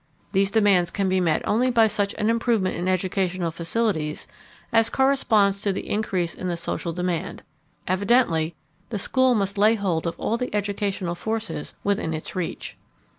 These demands can be met only by such an improvement in educational facilities as corresponds to the increase in the social demand. Evidently the school must lay hold of all of the educational forces within its reach.